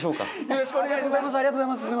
よろしくお願いします。